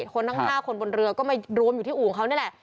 คนทั้ง๕คนบนเรือก็มารวมอยู่ที่อู่เขานี่แหละ